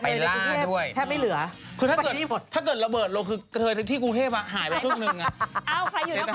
ไปล่าด้วยแค่ไม่เหลือถ้าเกิดระเบิดลงที่กูเทพแกถ้ากระเทศกูเทพหายไปครึ่งนึงแอ่